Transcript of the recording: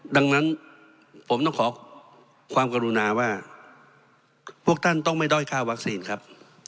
ดังนั้นผมต้องขอความกรุณาว่าพวกท่านต้องไม่ด้อยค่าวัคซีนครับ